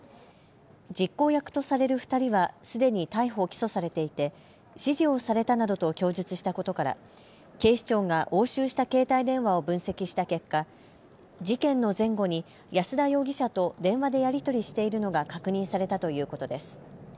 実行役とされる２人はすでに逮捕・起訴されていて指示をされたなどと供述したことから警視庁が押収した携帯電話を分析した結果、事件の前後に安田容疑者と電話でやり取りしているのが確認されたということです。